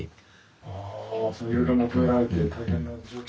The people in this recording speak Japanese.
ああいろいろ求められて大変なんでしょうけれども。